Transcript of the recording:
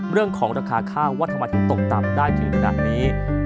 เรื่องของราคาค่าวัฒนาทีตกต่ำได้ถึงระดับนี้